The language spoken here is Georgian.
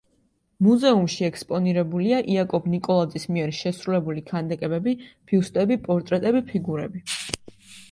მუზეუმში ექსპონირებულია იაკობ ნიკოლაძის მიერ შესრულებული ქანდაკებები: ბიუსტები, პორტრეტები, ფიგურები.